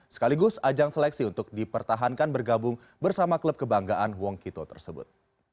sekaligus ajang seleksi untuk dipertahankan bergabung bersama klub kebanggaan wong kito tersebut